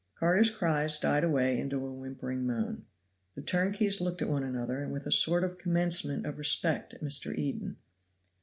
Carter's cries died away into a whimpering moan. The turnkeys looked at one another, and with a sort of commencement of respect at Mr. Eden.